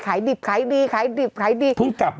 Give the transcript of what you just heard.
ขายดิบขายดีขายดิบขายดี